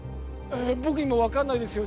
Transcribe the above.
僕にも分かんないですよ